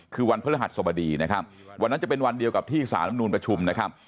คือวันพฤหัสสบดีนะครับวันนั้นจะเป็นวันเดียวกับที่สารลำนูลประชุมนะครับ